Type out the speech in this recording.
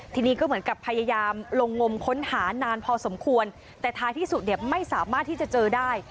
ทีนี้ก็เหมือนกับพยายามลงงมค้นหานานพอสมควรแต่ท้ายที่สุดเนี่ยไม่สามารถที่จะเจอได้